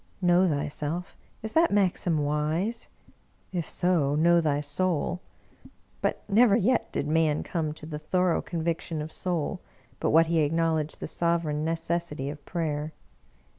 Know thyself! Is that maxim wise? If so, know thy soul. But never yet did man come to the thorough conviction of soul but what he acknowledged the sovereign necessity of prayer.